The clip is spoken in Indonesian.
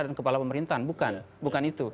dan kepala pemerintahan bukan bukan itu